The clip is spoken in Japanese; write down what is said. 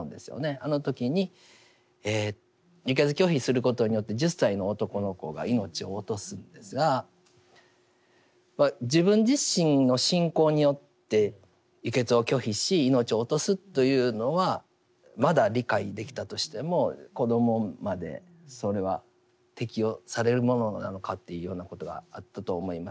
あの時に輸血拒否することによって１０歳の男の子が命を落とすんですが自分自身の信仰によって輸血を拒否し命を落とすというのはまだ理解できたとしても子どもまでそれは適用されるものなのかというようなことがあったと思います。